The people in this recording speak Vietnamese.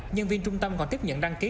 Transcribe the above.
nhân viên trung tâm còn tiếp nhận đăng ký